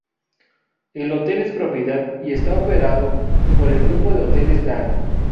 El hotel es propiedad y está operado por el grupo de hoteles Dan.